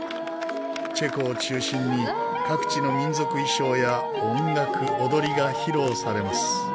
チェコを中心に各地の民族衣装や音楽踊りが披露されます。